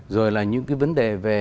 rồi là những cái vấn đề về